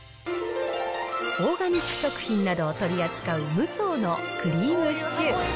オーガニック食品などを取り扱うムソーのクリームシチュー。